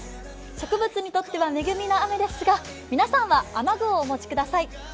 植物にとっては恵みの雨ですが、皆さんは雨具をお持ちください。